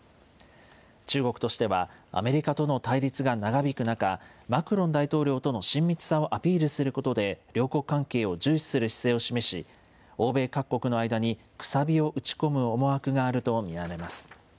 中国としては、アメリカとの対立が長引く中、マクロン大統領との親密さをアピールすることで両国関係を重視する姿勢を示し、欧米各国の間にくさびを打ち込む思惑があるものと見られます。